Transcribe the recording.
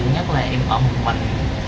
nhất là em ở một mình